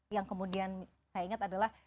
yang kemudian saya ingat adalah